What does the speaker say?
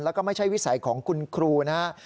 แล้วก็ไม่ใช่วิสัยของคุณครูนะครับ